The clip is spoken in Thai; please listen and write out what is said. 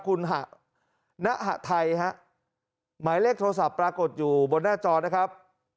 คุณหะณหไทยฮะหมายเลขโทรศัพท์ปรากฏอยู่บนหน้าจอนะครับ